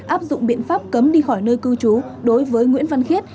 áp dụng biện pháp cấm đi khỏi nơi cư trú đối với nguyễn văn khiết